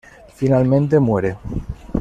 Finalmente muere.